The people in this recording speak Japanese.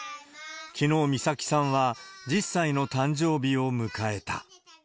きのう、美咲さんは１０歳の誕生日を迎えた。